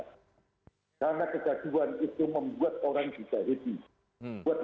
karena kegaduhan itu membuat orang tidak hedi